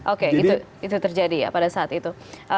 oke itu terjadi ya pada saat itu